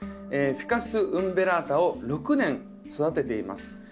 フィカス・ウンベラータを６年育てています。